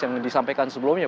yang disampaikan sebelumnya